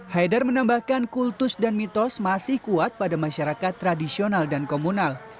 haidar menambahkan kultus dan mitos masih kuat pada masyarakat tradisional dan komunal